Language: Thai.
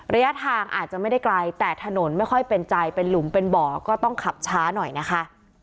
ระยะทางอาจจะไม่ได้ไกลแต่ถนนไม่ค่อยเป็นใจเป็นหลุมเป็นบ่อก็ต้องขับช้าหน่อยนะคะ